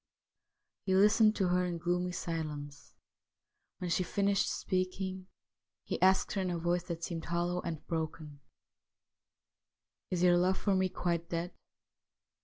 He listened to her in gloomy silence. When she finished speaking he asked her in a voice that seemed hollow and broken :' Is your love for me quite dead